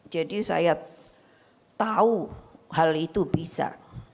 jadi saya tahu hal itu bisa